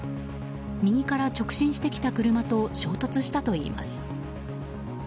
右から直進してきた車と衝突したといいます。